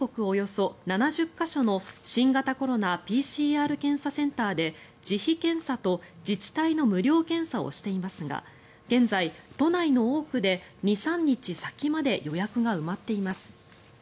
およそ７０か所の新型コロナＰＣＲ検査センターで自費検査と自治体の無料検査をしていますが現在、都内の多くで２３日先まで予約が埋まっています。